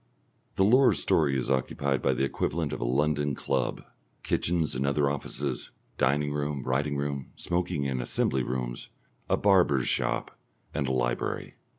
The lower story is occupied by the equivalent of a London club, kitchens and other offices, dining room, writing room, smoking and assembly rooms, a barber's shop, and a library.